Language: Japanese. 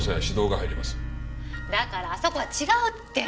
だからあそこは違うって。